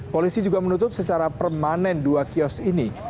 polisi juga menutup secara permanen dua kios ini